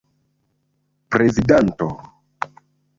prezidanto